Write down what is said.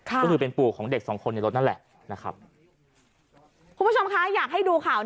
ก็คือเป็นปู่ของเด็ก๒คนในรถนั่นแหละ